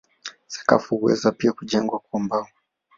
Sakafu huweza pia kujengwa kwa mbao.